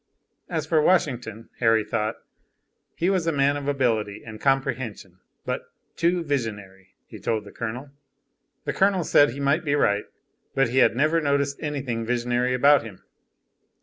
As for Washington, Harry thought he was a man of ability and comprehension, but "too visionary," he told the Colonel. The Colonel said he might be right, but he had never noticed anything visionary about him.